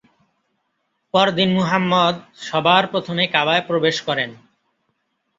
পরদিন মুহাম্মদ সবার প্রথমে কাবায় প্রবেশ করেন।